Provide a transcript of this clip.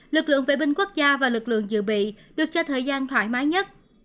lực lượng vệ binh quốc gia và lực lượng dự bị được cho thời gian thoải mái nhất